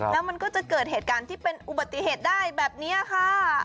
แล้วมันก็จะเกิดเหตุการณ์ที่เป็นอุบัติเหตุได้แบบนี้ค่ะ